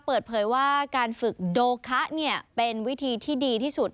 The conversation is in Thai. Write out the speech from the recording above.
เปิดเผยว่าการฝึกโดคะเป็นวิธีที่ดีที่สุด